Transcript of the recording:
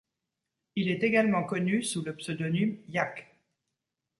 Il est également connu sous le pseudonyme Yack..